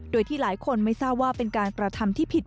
โดยที่หลายคนไม่ทราบว่าเป็นการกระทำที่ผิด